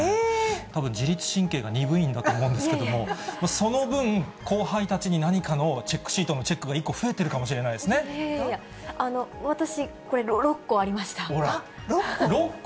たぶん、自律神経が鈍いんだと思うんですけど、その分、後輩たちに何かのチェックシートのチェックが１個増えてるかもしいやいや、私、これ、６個あ６個？